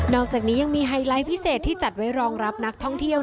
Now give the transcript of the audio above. อกจากนี้ยังมีไฮไลท์พิเศษที่จัดไว้รองรับนักท่องเที่ยว